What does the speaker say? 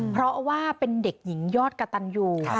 เพราะว่าเป็นเด็กหญิงยอดกระตันอยู่